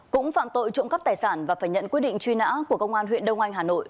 cũng phạm tội trộm cắp tài sản và phải nhận quyết định truy nã của công an huyện đông anh hà nội